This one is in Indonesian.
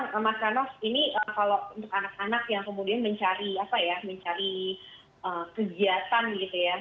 ya memang mas ranof ini kalau untuk anak anak yang kemudian mencari kegiatan gitu ya